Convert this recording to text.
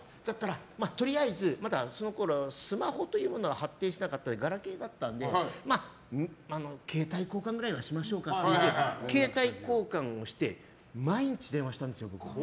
そのころまだスマホというものは発展してなくてガラケーだったので携帯交換ぐらいはしましょうということで携帯交換をして毎日電話したんですよ、僕。